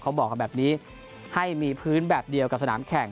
เขาบอกกันแบบนี้ให้มีพื้นแบบเดียวกับสนามแข่ง